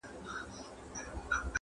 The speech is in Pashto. خاموسي تر ټولو درنه پاتې وي،